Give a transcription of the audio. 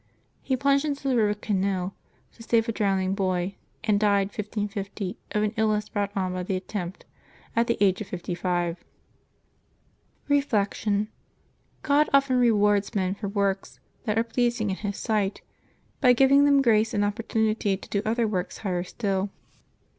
He plunged into the river Xenil to save a drowiaing boy, and died, 1550, of an illness brought on by the attempt, at the age of fifty five. Reflection. — God often rewards men for works that are pleasing in His sight by giving them grace and oppor tunity to do other works higher still.